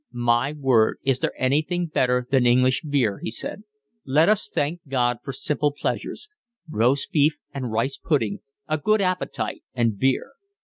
"My word, is there anything better than English beer?" he said. "Let us thank God for simple pleasures, roast beef and rice pudding, a good appetite and beer.